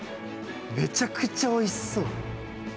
めちゃくちゃおいしそう！